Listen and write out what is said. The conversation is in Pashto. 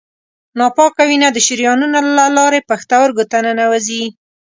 ناپاکه وینه د شریانونو له لارې پښتورګو ته ننوزي.